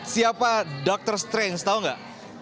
siapa dokter strange tahu nggak